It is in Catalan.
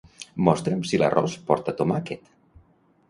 Mostra'm si l'arròs porta tomàquet.